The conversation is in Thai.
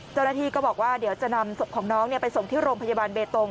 เจ้าหน้าที่ก็บอกว่าเดี๋ยวจะนำศพของน้องไปส่งที่โรงพยาบาลเบตง